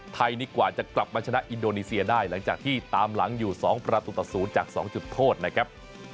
ไทยนี่กว่าจะกลับมาชนะอินโดนีเซียได้หลังจากที่ตามหลังอยู่๒ประตูต่อ๐จาก๒จุดโทษนะครับ